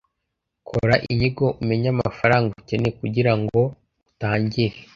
Kora inyigo umenye amafaranga ucyeneye kugirango utangire,